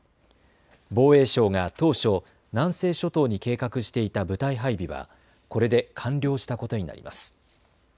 防衛省が当初、南西諸島に計画していた部隊配備はこれで完了したことになります。